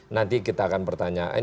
nanti kita akan pertanyaan